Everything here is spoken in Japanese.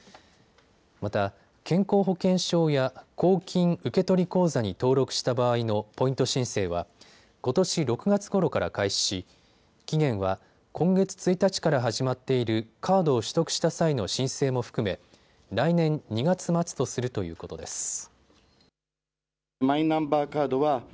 また、健康保険証や公金受取口座に登録した場合のポイント申請はことし６月ごろから開始し期限は今月１日から始まっているカードを取得した際の申請も含め来年２月末とするということです。